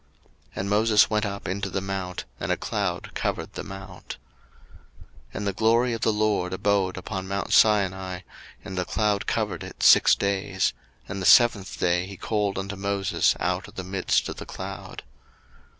02:024:015 And Moses went up into the mount, and a cloud covered the mount. 02:024:016 And the glory of the LORD abode upon mount Sinai, and the cloud covered it six days: and the seventh day he called unto Moses out of the midst of the cloud.